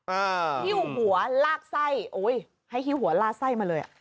ฮิ้วหัวลากไส้อุ้ยให้หิ้วหัวลากไส้มาเลยอ่ะ